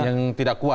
yang tidak kuat